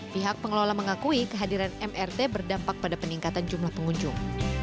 pihak pengelola mengakui kehadiran mrt berdampak pada peningkatan jumlah pengunjung